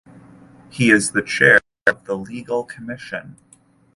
He is the chair of the Legal Commission.